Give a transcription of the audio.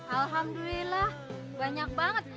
alhamdulillah banyak banget